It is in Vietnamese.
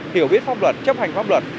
hiểu biết pháp luật chấp hành pháp luật